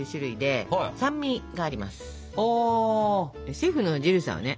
シェフのジルさんはね